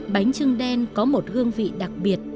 bánh trưng đen có một hương vị đặc biệt